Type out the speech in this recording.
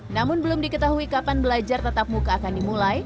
namun belum diketahui kapan belajar tetap muka akan dimulai